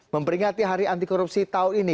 memperingati hari anti korupsi tahun ini